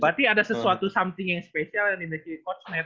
berarti ada sesuatu something yang spesial yang diberi kosmet